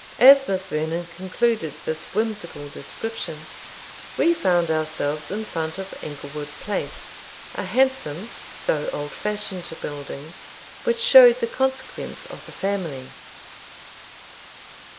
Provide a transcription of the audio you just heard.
As Miss Vernon concluded this whimsical description, we found ourselves in front of Inglewood Place, a handsome, though old fashioned building, which showed the consequence of the family.